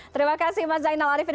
terima kasih mas zainal arifin